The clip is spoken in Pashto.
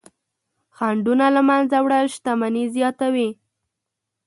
خنډونه له منځه وړل شتمني زیاتوي.